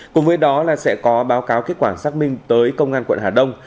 cùng với đó là sẽ có báo cáo kết quả xác minh tới công an quận hà đông